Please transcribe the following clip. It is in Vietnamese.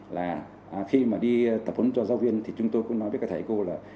là khi mà đi tập huấn cho giáo viên thì chúng tôi cũng nói với các thầy cô là